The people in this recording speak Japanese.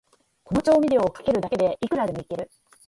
この調味料をかけるだけで、いくらでもイケる